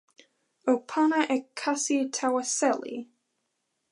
o pana e kasi tawa seli.